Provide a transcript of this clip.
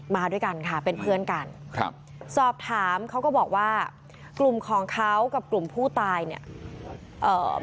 มาด้วยกันค่ะเป็นเพื่อนกันครับสอบถามเขาก็บอกว่ากลุ่มของเขากับกลุ่มผู้ตายเนี่ยเอ่อ